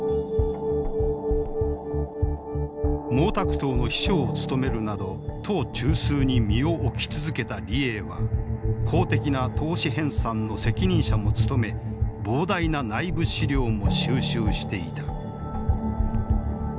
毛沢東の秘書を務めるなど党中枢に身を置き続けた李鋭は公的な党史編さんの責任者も務め膨大な内部資料も収集していた。